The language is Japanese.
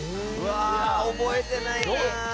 覚えてないな。